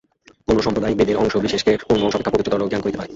কোন সম্প্রদায় বেদের অংশবিশেষকে অন্য অংশ অপেক্ষা পবিত্রতর জ্ঞান করিতে পারে।